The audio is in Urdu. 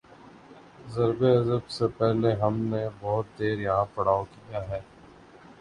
ضرب عضب سے پہلے ہم نے بہت دیر یہاں پڑاؤ کیا ہے۔